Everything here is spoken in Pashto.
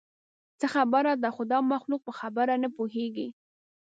څه خبره ده؟ خو دا مخلوق په خبره نه پوهېږي.